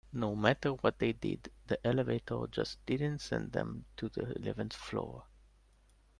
No matter what they did, the elevator just didn't send them to the eleventh floor.